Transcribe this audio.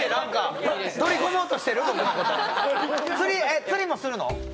えっ釣りもするの？